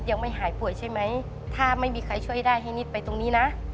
คือไปหาอย่างที่ในละครทุกคนค่ะ